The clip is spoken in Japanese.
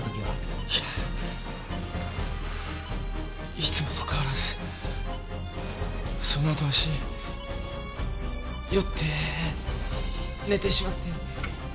いつもと変わらずその後ワシ酔って寝てしまって。